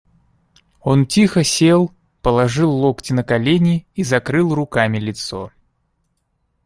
Он тихо сел, положил локти на колени и закрыл руками лицо.